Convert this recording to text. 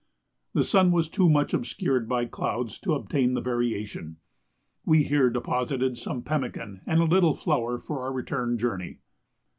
The sun was too much obscured by clouds to obtain the variation. We here deposited some pemmican and a little flour for our return journey.